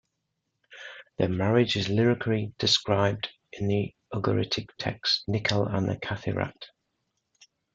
Their marriage is lyrically described in the Ugaritic text "Nikkal and the Kathirat".